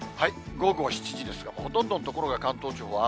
午後７時ですよ、ほとんどの所が関東地方、雨。